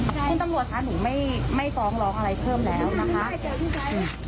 ท่านตำรวจค่ะหนูไม่ต้องร้องอะไรเพิ่มแล้วนะคะ